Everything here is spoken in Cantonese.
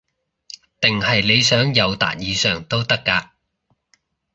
定係你想友達以上都得㗎